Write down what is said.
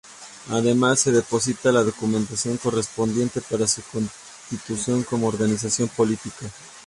Además se deposita la documentación correspondiente para su constitución como organización política.